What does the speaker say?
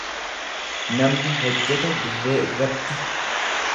Namni hojjeta dirree irratti.